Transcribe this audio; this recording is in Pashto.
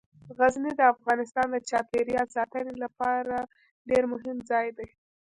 غزني د افغانستان د چاپیریال ساتنې لپاره ډیر مهم ځای دی.